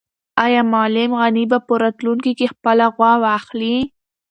آیا معلم غني به په راتلونکي کې خپله غوا واخلي؟